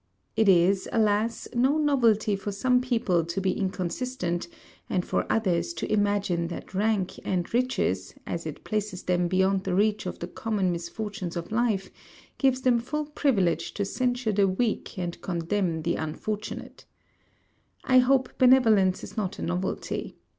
It is, alas, no novelty for some people to be inconsistent, and for others to imagine that rank and riches, as it places them beyond the reach of the common misfortunes of life, gives them full privilege to censure the weak and contemn the unfortunate. I hope benevolence is not a novelty.